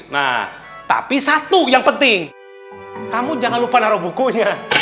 nah tapi satu yang penting kamu jangan lupa naruh bukunya